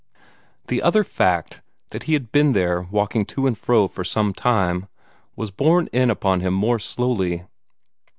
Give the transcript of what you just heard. The other fact, that he had been there walking to and fro for some time, was borne in upon him more slowly.